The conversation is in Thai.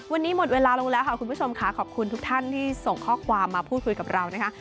วันนี้หมดเวลาลงแล้วค่ะคุณผู้ชมค่ะขอบคุณทุกท่านที่ส่งข้อความมาพูดคุยกับเรานะคะ